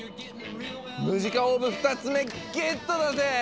ムジカオーブ２つ目ゲットだぜ！